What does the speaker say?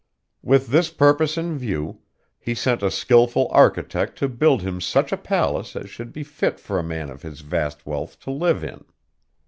With this purpose in view, he sent a skilful architect to build him such a palace as should be fit for a man of his vast wealth to live in.